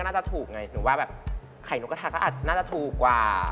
น่าจะถูกไงหนูว่าแบบไข่นกกระทะก็น่าจะถูกกว่า